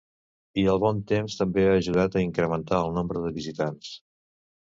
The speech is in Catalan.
I el bon temps també ha ajudat a incrementar el nombre de visitants.